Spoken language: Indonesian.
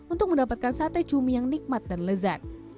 untuk mendapatkan sate cumi yang nikmat dan lezat